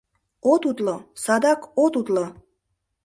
- От утло, садак от утло!